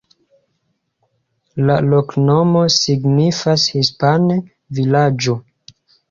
La loknomo signifas hispane: vilaĝo.